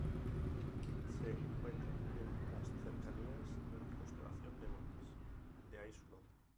Se encuentra en las cercanías de la constelación de Bootes, de ahí su nombre.